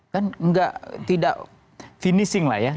kan tidak finishing lah ya